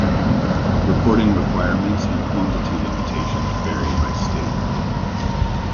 Reporting requirements and quantity limitations vary by state.